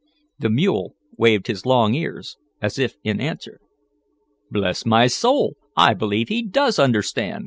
The mule waved his long ears as if in answer. "Bless my soul, I believe he does understand!"